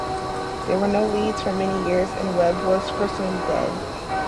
There were no leads for many years and Webb was presumed dead.